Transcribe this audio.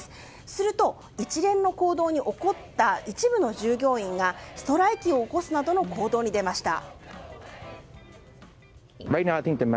すると、一連の行動に怒った一部の従業員がストライキを起こすなどの行動に出ました。